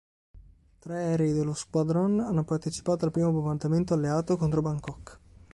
Tre aerei dello Squadron hanno partecipato al primo bombardamento alleato contro Bangkok.